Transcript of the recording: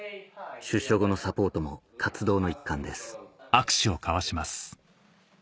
出所後のサポートも活動の一環です